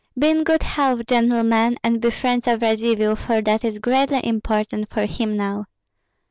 Be in good health, gentlemen, and be friends of Radzivill, for that is greatly important for him now."